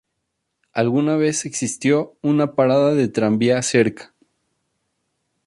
Alguna vez existió una parada de tranvía cerca.